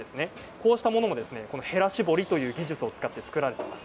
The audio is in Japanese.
こうしたものもへら絞りの技術を使って作られています。